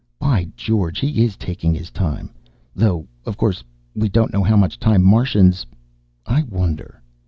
"By George, he is taking his time! Though, of course, we don't know how much time Martians ... I wonder."